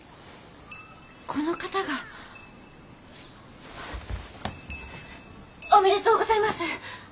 この方が。おめでとうございます！